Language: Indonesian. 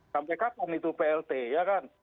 sampai kapan itu plt ya kan